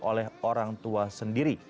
oleh orang tua sendiri